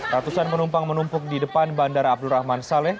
ratusan penumpang menumpuk di depan bandara abdurrahman saleh